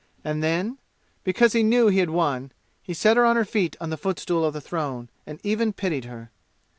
And then, because he knew he had won, he set her on her feet on the footstool of the throne, and even pitied her.